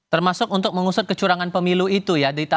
termasuk untuk mengusut kecurangan pemilu itu ya